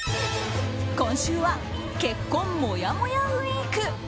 今週は結婚もやもやウィーク。